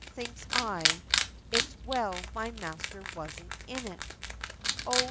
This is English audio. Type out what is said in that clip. thinks I, it's well my master wasn't in it; Oh!